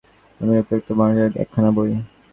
আমি কি রক্তমাংসের মলাটে মোড়া একখানা বই?